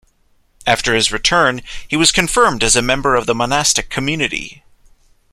After his return, he was confirmed as a member of the monastic community.